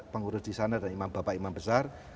pengurus di sana dan imam bapak imam besar